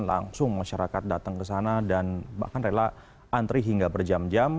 langsung masyarakat datang ke sana dan bahkan rela antri hingga berjam jam